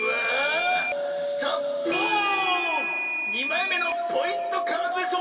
２まいめのポイントカードです！